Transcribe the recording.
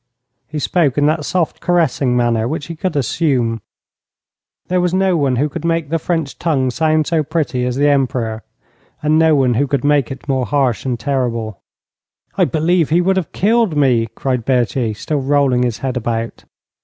He spoke in that soft, caressing manner which he could assume. There was no one who could make the French tongue sound so pretty as the Emperor, and no one who could make it more harsh and terrible. 'I believe he would have killed me,' cried Berthier, still rolling his head about.